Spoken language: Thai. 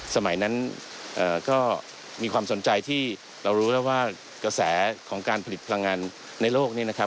สมัยนั้นก็มีความสนใจที่เรารู้แล้วว่ากระแสของการผลิตพลังงานในโลกนี้นะครับ